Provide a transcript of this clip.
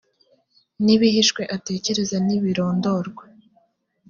n ibihishwe atekereza ntibirondorwa